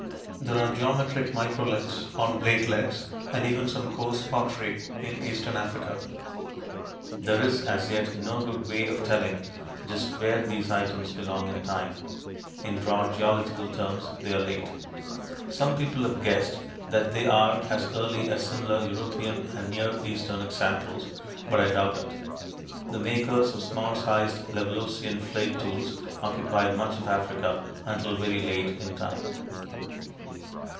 There are geometric microliths on bladelets and even some coarse pottery in east Africa. There is as yet no good way of telling just where these items belong in time; in broad geological terms they are "late." Some people have guessed that they are as early as similar European and Near Eastern examples, but I doubt it. The makers of small sized Levalloisian flake tools occupied much of Africa until very late in time.